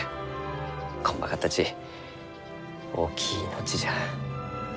こんまかったち大きい命じゃ。